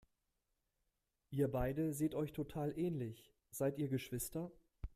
Ihr beide seht euch total ähnlich, seid ihr Geschwister?